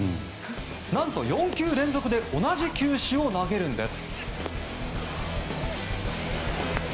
何と、４球連続で同じ球種を投げるんです。